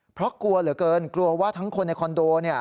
เพราะกลัวเหลือเกินกลัวว่าทั้งคนในคอนโดเนี่ย